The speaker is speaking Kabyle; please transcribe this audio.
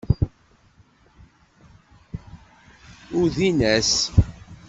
Uddin-as.